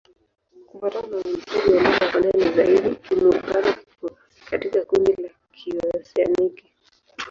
Kufuatana na uainishaji wa lugha kwa ndani zaidi, Kimur-Pano iko katika kundi la Kioseaniki.